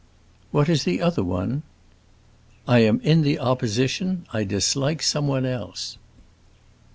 "What is the other one?" "I am in the Opposition. I dislike someone else."